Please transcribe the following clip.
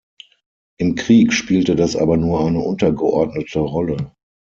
Im Krieg spielte das aber nur eine untergeordnete Rolle.